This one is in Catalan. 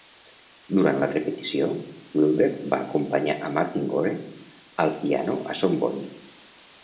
Durant la repetició, Wilder va acompanyar a Martin Gore al piano a "Somebody".